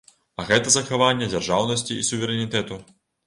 А гэта захаванне дзяржаўнасці і суверэнітэту.